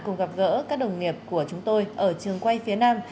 cùng gặp gỡ các đồng nghiệp của chúng tôi ở trường quay phía nam